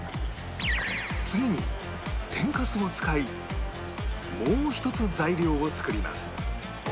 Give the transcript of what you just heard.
次に天かすを使いもう１つ材料を作ります